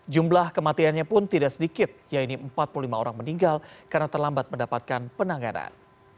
jumlah kematiannya pun tidak sedikit yaitu empat puluh lima orang meninggal karena terlambat mendapatkan penanganan